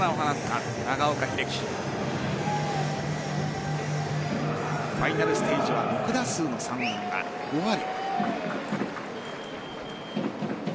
ファイナルステージは６打数の３安打５割。